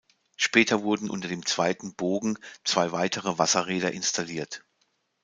Später wurden unter dem zweiten Bogen zwei weitere Wasserräder installiert.